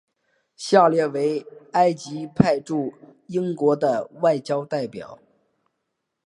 下列为埃及派驻英国的外交代表。